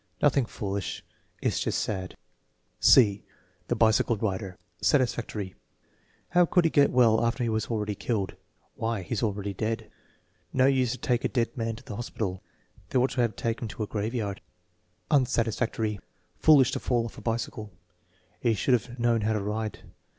"Nothing foolish; it's just sad," (e) The bicycle rider Satisfactory. "How could he get well after he was already killed?" "Why, he's already dead." "No use to take a dead man to the hospital." "They ought to have taken him to a grave yard!" Unsatisfactory. "Foolish to fall off of a bicycle. He should have known how to ride."